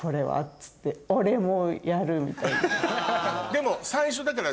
でも最初だから。